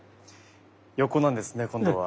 横なんですね今度は。